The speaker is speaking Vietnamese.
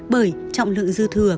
bởi trọng lượng dư thừa